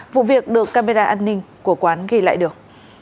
vụ việc được camera an ninh của quán ghi lại được